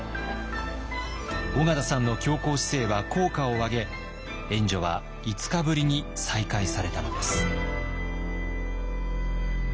緒方さんの強硬姿勢は効果を上げ援助は５日ぶりに再開されたのです。